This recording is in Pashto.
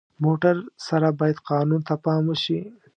موټر سره باید قانون ته پام وشي.